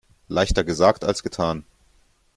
Leichter gesagt als getan.